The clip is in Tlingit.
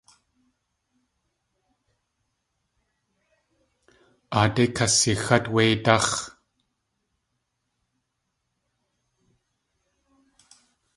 Aadé kasixát wéidáx̲.